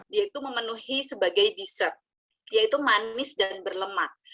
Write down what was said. dia itu memenuhi sebagai dessert yaitu manis dan berlemak